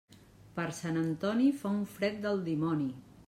Per Sant Antoni fa un fred del dimoni.